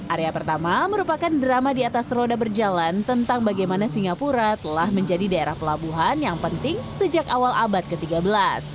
area pertama merupakan drama di atas roda berjalan tentang bagaimana singapura telah menjadi daerah pelabuhan yang penting sejak awal abad ke tiga belas